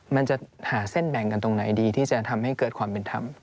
มันจะหาเส้นแบ่งกันตรงไหนดีที่จะทำให้เกิดความเป็นธรรม